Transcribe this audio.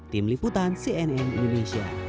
tim liputan cnn indonesia